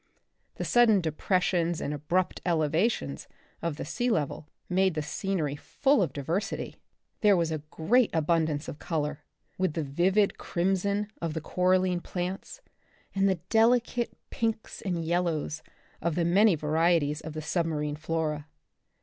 The sudden depressions and abrupt elevations of the sea level made the scenery full of diversity. There was a great abundance of color, with the vivid crimson of The Republic of the Future, 1 1 the coralline plants and the delicate pinks and yellows of the many varieties of the sub marine flora.